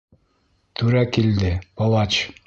Түрә килде, палач!